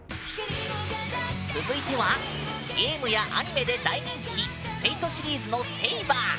続いてはゲームやアニメで大人気「Ｆａｔｅ」シリーズのセイバー！